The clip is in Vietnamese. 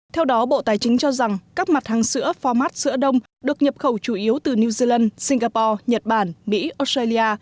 theo đó bộ tài chính cho rằng các mặt hàng sữa format sữa đông được nhập khẩu chủ yếu từ new zealand singapore nhật bản mỹ australia